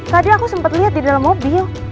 tadi aku sempat lihat di dalam mobil